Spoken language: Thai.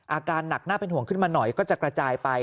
อาการหนักน่าเป็นห่วงขึ้นมาหน่อยก็จะกระจายไป